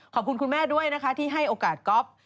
ขอบคุณคุณแม่ด้วยนะคะที่ให้โอกาสก๊อฟ